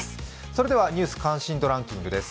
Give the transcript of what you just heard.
それでは、「ニュース関心度ランキング」です。